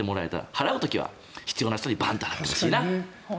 払う時には必要な人にバンと払ってほしいな。